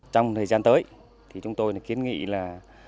trong thời gian tới chúng tôi kiến nghị là